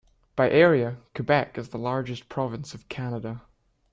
By area, Quebec is the largest province of Canada.